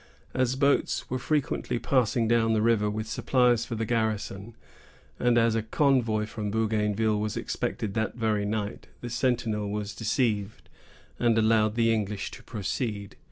As boats were frequently passing down the river with supplies for the garrison, and as a convoy from Bougainville was expected that very night, the sentinel was deceived, and allowed the English to proceed.